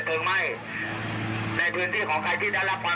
ก็จะมีเรื่องของการจดทะเบียน